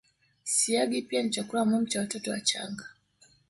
Siagi pia ni chakula muhimu cha watoto wachanga